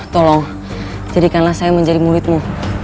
tolong jadikanlah saya menjadi muridmu